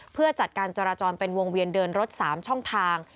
เพื่อจัดการจราจรเป็นวงเวียนเดินรถ๓ช่องทาง